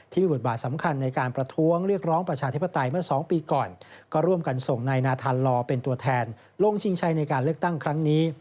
บทบาทสำคัญในการประท้วงเรียกร้องประชาธิปไตยเมื่อ๒ปีก่อนก็ร่วมกันส่งนายนาธานลอเป็นตัวแทนลงชิงชัยในการเลือกตั้งครั้งนี้